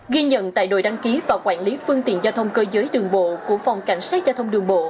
ghi nhận tại đội đăng ký và quản lý phương tiện giao thông cơ giới đường bộ của phòng cảnh sát giao thông đường bộ